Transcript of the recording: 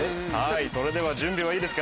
それでは準備はいいですか？